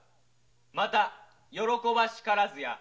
また喜ばしからずや。